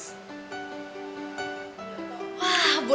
tidak tidak tidak